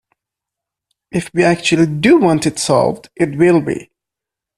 If we actually do want it solved, it will be.